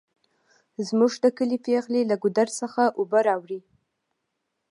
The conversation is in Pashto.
زمونږ د کلي پیغلې له ګودر څخه اوبه راوړي